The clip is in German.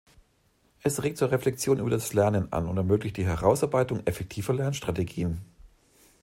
Es regt zur Reflexion über das Lernen an und ermöglicht die Herausarbeitung effektiver Lernstrategien.